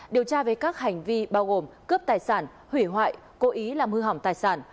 điều tra về các hành vi bao gồm cướp tài sản hủy hoại cố ý làm hư hỏng tài sản